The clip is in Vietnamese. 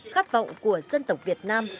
khát vọng của dân tộc việt nam